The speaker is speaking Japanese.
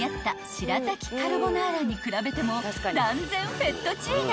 しらたきカルボナーラに比べても断然フェットチーネ！］